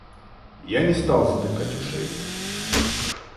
Я не стал затыкать ушей.